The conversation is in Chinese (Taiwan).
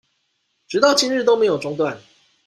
直到今日都沒有中斷